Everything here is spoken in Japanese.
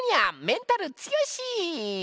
メンタル強し！